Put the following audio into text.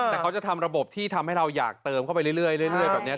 แต่เขาจะทำระบบที่ทำให้เราอยากเติมเข้าไปเรื่อยแบบนี้